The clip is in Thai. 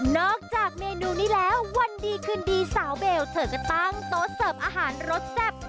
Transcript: เมนูนี้แล้ววันดีคืนดีสาวเบลเธอก็ตั้งโต๊ะเสิร์ฟอาหารรสแซ่บ